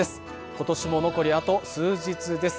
今年も残りあと数日です。